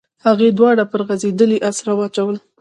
هغې دواړه پر غځېدلې اسره واچول.